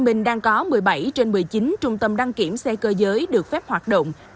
minh đang có một mươi bảy trên một mươi chín trung tâm đăng kiểm xe cơ giới được phép hoạt động